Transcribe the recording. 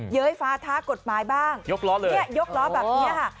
ย้ยฟ้าท้ากฎหมายบ้างยกล้อเลยเนี่ยยกล้อแบบนี้ค่ะ